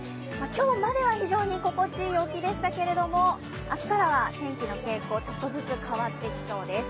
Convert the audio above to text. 教馬では非常に心地いい陽気でしたけれども、明日からは天気の傾向ちょっとずつ変わっていきそうです。